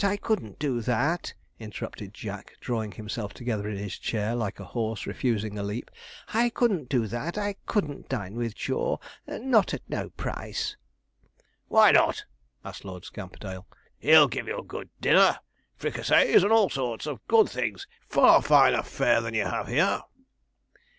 I couldn't do that,' interrupted Jack, drawing himself together in his chair like a horse refusing a leap; 'I couldn't do that I couldn't dine with Jaw, not at no price.' 'Why not?' asked Lord Scamperdale; 'he'll give you a good dinner fricassees, and all sorts of good things; far finer fare than you have here.'